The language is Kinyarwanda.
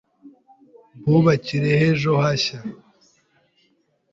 Mbubakireho ejo hanjye